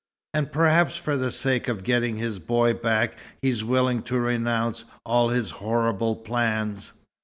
"And perhaps for the sake of getting his boy back, he's willing to renounce all his horrible plans."